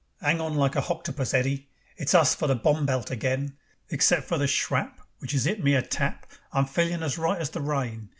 "'Ang on like a hoctopus, Eddy. It's us for the bomb belt again. Except for the shrap Which 'as 'it me a tap, I'm feelin' as right as the rain.